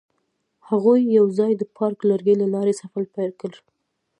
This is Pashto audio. هغوی یوځای د پاک لرګی له لارې سفر پیل کړ.